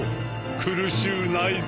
苦しゅうないぞ。